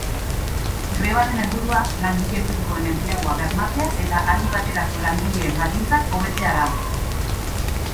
Grebaren helburua langile finkoen enplegua bermatzea eta aldi baterako langileen baldintzak hobetzea da.